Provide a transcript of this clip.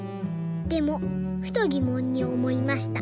でもふとぎもんにおもいました。